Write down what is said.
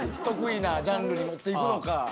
得意なジャンルに持っていくのか。